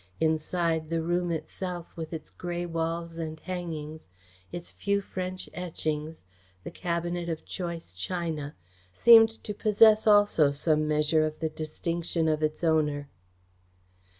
Inside, the room itself, with its grey walls and hangings, its few French etchings, the cabinet of choice china, seemed to possess also some measure of the distinction of its owner.